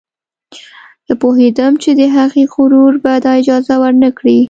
زه پوهېدم چې د هغې غرور به دا اجازه ور نه کړي